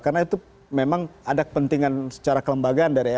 karena itu memang ada kepentingan secara kelembagaan dari lsi